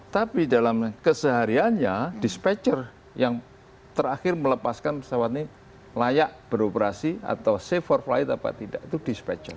tapi dalam kesehariannya dispatcher yang terakhir melepaskan pesawat ini layak beroperasi atau safe for flight apa tidak itu dispatcher